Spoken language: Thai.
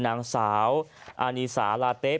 นางสาวอานีสาลาเต๊ะ